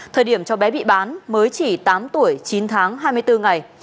thời điểm cho bé bị bán mới chỉ tám tuổi chín tháng hai mươi bốn ngày